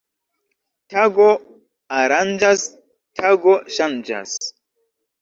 Tago aranĝas, tago ŝanĝas.